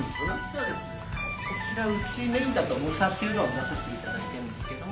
そうですこちらうちメインだとムサシうどんを出させていただいてるんですけども。